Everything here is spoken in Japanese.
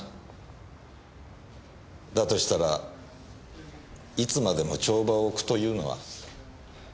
だとしたらいつまでも帳場をおくというのは。